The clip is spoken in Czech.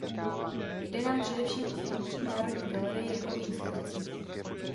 Jde nám především o funkční Národní galerii jako instituci.